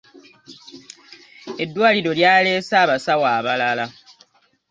Eddwaliro lyaleese abasawo abalala.